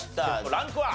ランクは？